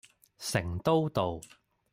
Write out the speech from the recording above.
成都道